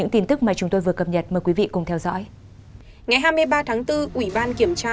ngày hai mươi ba tháng bốn ủy ban kiểm tra